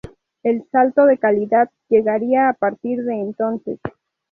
El salto de calidad llegaría a partir de entonces.